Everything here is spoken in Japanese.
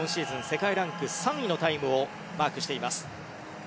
世界ランク３位のタイムをマークしています。